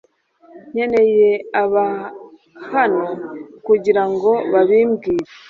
Nkeneye abahano kugirango babimbwire